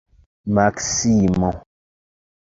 Maksimo!